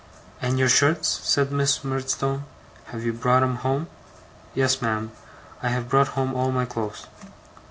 'And your shirts,' said Miss Murdstone; 'have you brought 'em home?' 'Yes, ma'am. I have brought home all my clothes.